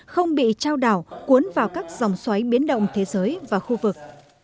không bị trao đảo cuốn vào các dòng xoáy biến động thế giới và khu vực